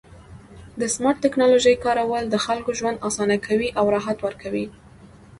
د سمارټ ټکنالوژۍ کارول د خلکو ژوند اسانه کوي او راحت ورکوي.